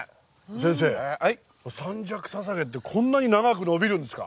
先生三尺ササゲってこんなに長く伸びるんですか？